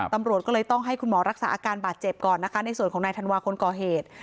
ตำรวจก็เลยต้องให้คุณหมอรักษาอาการบาดเจ็บก่อนนะคะในส่วนของนายธันวาคนก่อเหตุ